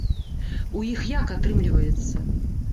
У іх як атрымліваецца?